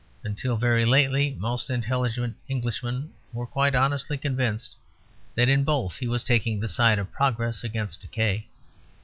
Until very lately most intelligent Englishmen were quite honestly convinced that in both it was taking the side of progress against decay.